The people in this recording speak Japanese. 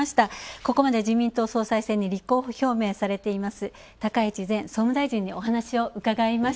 ここまで自民党総裁選に立候補表明されています